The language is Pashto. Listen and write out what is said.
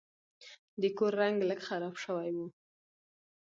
د کور رنګ لږ خراب شوی و.